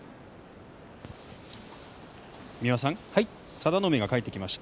佐田の海が帰ってきました。